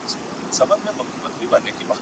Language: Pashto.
رنګ په رنګ پکښي بویونه د ګلونو ,